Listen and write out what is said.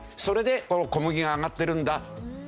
それで小麦が上がってるんだ。